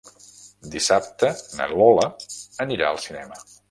Dissabte na Lola anirà al cinema.